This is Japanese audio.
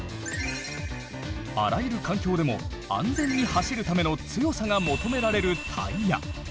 あらゆる環境でも安全に走るための強さが求められるタイヤ。